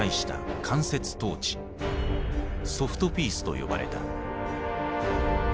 「ソフトピース」と呼ばれた。